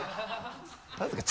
何ですか？